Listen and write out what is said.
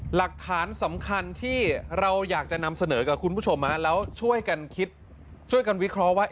หลักฐานสำคัญที่เราอยากจะนำเสนอกับคุณผู้ชมแล้วช่วยกันคิดช่วยกันวิเคราะห์ว่า